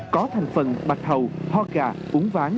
có thành phần bạch hầu tho gà uống ván